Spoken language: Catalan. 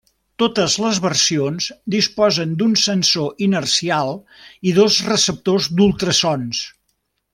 Totes les versions disposen d'un sensor inercial i dos receptors d'ultrasons.